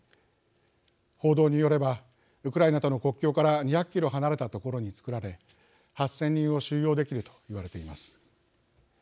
報道によればウクライナとの国境から２００キロ離れた所に作られ８，０００人を収容できると言われています。